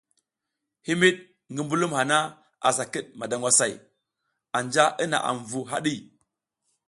Himiɗ ngi mbulum hana asa kiɗ madangwasay, anja i naʼam vu haɗi.